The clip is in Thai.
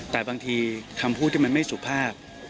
แต่บางทีคำพูดที่มันไม่สุภาพ